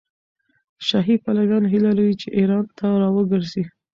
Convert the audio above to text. شاهي پلویان هیله لري چې ایران ته راوګرځي.